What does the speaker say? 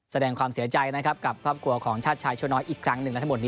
แสดงความเสียใจนะครับกับครอบครัวของชาติชายชั่วน้อยอีกครั้งหนึ่งนะทั้งหมดนี้